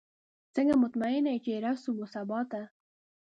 څنګه مطمئنه یې چې رسو به سباته؟